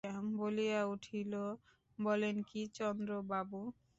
বলিয়া উঠিল, বলেন কী চন্দ্রবাবু?